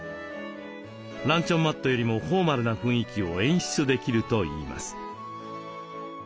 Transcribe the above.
ランチョンマットよりもフォーマルな雰囲気を演出できるといいます。